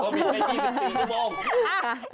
เขามีไว้๒๔ชั่วโมง